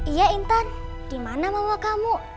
iya intan dimana mama kamu